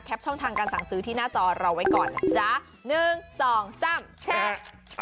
แท็ปช่องทางการสั่งซื้อที่หน้าจอเราไว้ก่อนจ๊ะหนึ่งสองสามแชร์